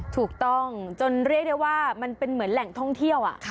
ถูกต้องจนเรียกได้ว่ามันเป็นเหมือนแหล่งท่องเที่ยว